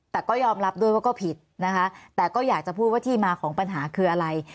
แต่ก็ยอมรับด้วยว่าก็ผิดนะคะแต่ก็อยากจะพูดว่าที่มาของปัญหาคืออะไร